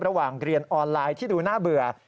ระหว่างเรียนออนไลน์ที่ดูน่าเบื่อ